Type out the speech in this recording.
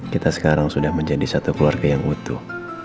kita sekarang sudah menjadi satu keluarga yang utuh